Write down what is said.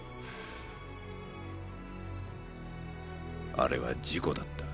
あれは事故だった